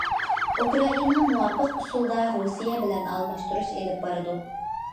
ئۇكرائىنا مۇۋاپىق ئۇسۇلدا رۇسىيە بىلەن ئالماشتۇرۇش ئېلىپ بارىدۇ.